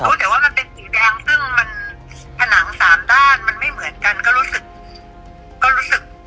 รู้แต่ว่ามันเป็นสีแดงซึ่งมันผนังสามด้านมันไม่เหมือนกันก็รู้สึกก็รู้สึก